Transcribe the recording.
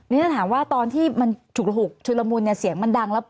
นี่ถ้าถามว่าตอนที่มันฉุกระหุกชุดละมุนเนี่ยเสียงมันดังแล้ว